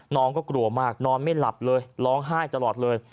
น้องก็กลัวมากนอนไม่หลับเลยร้องไห้ตลอดเลย